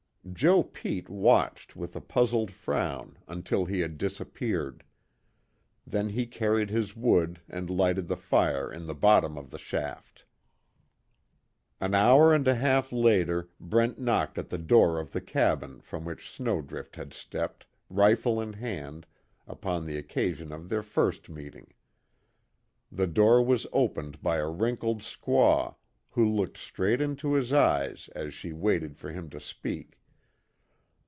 Joe Pete watched with a puzzled frown until he had disappeared. Then he carried his wood and lighted the fire in the bottom of the shaft. An hour and a half later Brent knocked at the door of the cabin from which Snowdrift had stepped, rifle in hand, upon the occasion of their first meeting. The door was opened by a wrinkled squaw, who looked straight into his eyes as she waited for him to speak.